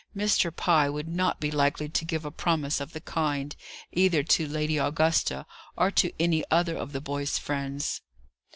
Mr. Pye would not be likely to give a promise of the kind, either to Lady Augusta, or to any other of the boys' friends."